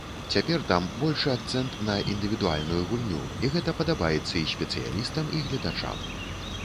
Цяпер там большы акцэнт на індывідуальную гульню, і гэта падабаецца і спецыялістам, і гледачам.